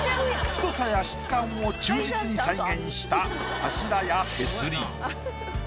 太さや質感を忠実に再現した柱や手すり。